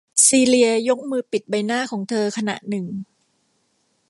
ซีเลียยกมือปิดใบหน้าของเธอขณะหนึ่ง